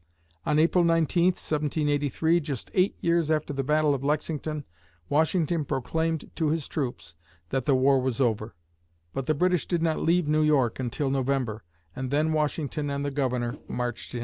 On April 19th (1783), just eight years after the Battle of Lexington, Washington proclaimed to his troops that the war was over; but the British did not leave New York until November, and then Washington and the Governor marched in.